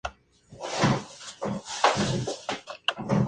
El álbum primero estuvo disponible para ser escuchado en Soundcloud y iTunes.